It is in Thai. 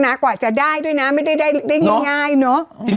นั่นใกล้กว่าจะได้ด้วยนะไม่ได้ได้ง่ายเนาะ